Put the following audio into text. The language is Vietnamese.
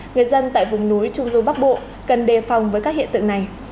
người dân tại vùng núi trung du bắc bộ cần đề phòng với các hiện tượng này